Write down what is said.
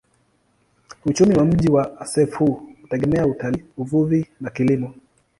Uchumi wa mji wa Azeffou hutegemea utalii, uvuvi na kilimo.